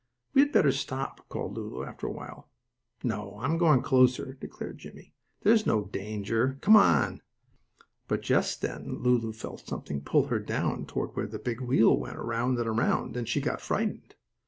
"We had better stop," called Lulu, after a while. "No, I'm going closer," declared Jimmie. "There is no danger; come on!" But just then Lulu felt something pulling her down toward where the big wheel went around and around, and she got frightened.